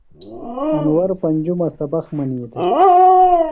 انور پنجُمہ سبق منی دےۡ۔